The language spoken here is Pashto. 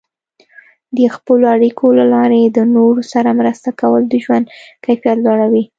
د خپلو اړیکو له لارې د نورو سره مرسته کول د ژوند کیفیت لوړوي.